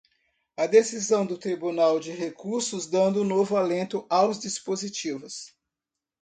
a decisão do Tribunal de Recursos dando novo alento aos dispositivos